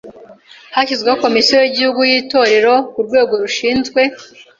hashyizweho Komisiyo y’Igihugu y’Itorero nk’urwego rushinzwe